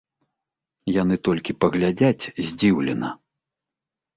Яны толькі паглядзяць здзіўлена.